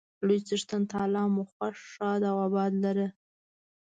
لوی څښتن تعالی مو خوښ، ښاد او اباد لره.